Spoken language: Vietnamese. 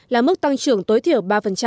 là mức tăng trưởng tối thiểu ba